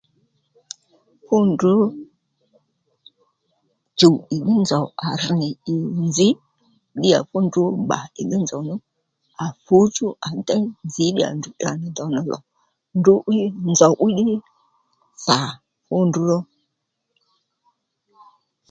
Fú ndrǔ chùw ìdhí nzòw à rr nì ì nzǐ ddíyà fú ndrǔ bbà ìdhí nzòw nǔ à fǔchú à déy nzǐ ddíyà ndrǔ tdra nì do nà lò ndrǔ nzǒw 'wíy ddí thà fú ndrǔ ró